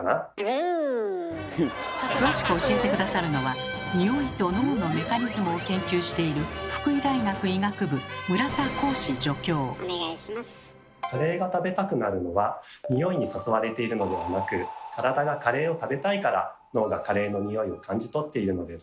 詳しく教えて下さるのは匂いと脳のメカニズムを研究しているカレーが食べたくなるのは匂いに誘われているのではなく体がカレーを食べたいから脳がカレーの匂いを感じとっているのです。